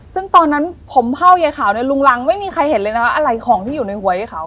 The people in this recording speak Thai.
ซึ่งตอนนั้นผมเผ่ายายขาวเนี่ยลุงรังไม่มีใครเห็นเลยนะว่าอะไรของที่อยู่ในหัวยายขาว